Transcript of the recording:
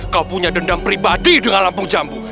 kau punya dendam pribadi dengan lampung jambu